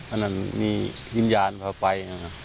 อันนั้นมียินยาลพาไป